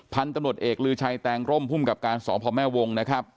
พันธุ์ตำรวจเอกลือชัยแตงร่มภูมิกับการสพแม่วงนะครับ